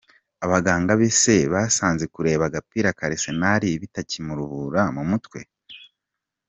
Abaganga be se basanze kureba agapira ka Arsenal bitakimuruhura mu mutwe?